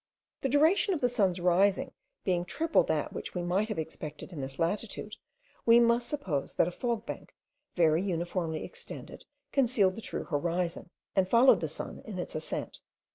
The duration of the sun's rising being triple that which we might have expected in this latitude, we must suppose that a fog bank, very uniformly extended, concealed the true horizon, and followed the sun in its ascent.